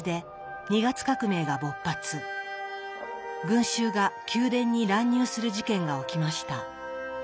群衆が宮殿に乱入する事件が起きました。